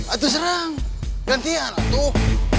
atau serang gantian tuh